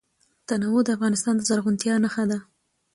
تنوع د افغانستان د زرغونتیا نښه ده.